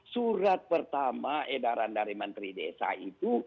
surat pertama edaran dari menteri desa itu